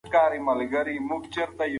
روژه د نفس د پاکوالي لاره ده.